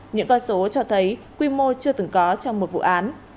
những con số cho thấy quy mô chưa từng có trong một vụ án